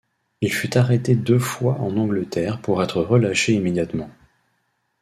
Il fut arrêté deux fois en Angleterre pour être relâché immédiatement.